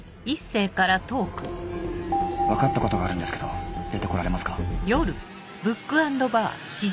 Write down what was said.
「分かったことがあるんですけど出てこられますか？」。